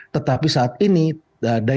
tetapi saat ini daya dukungnya tidak memadai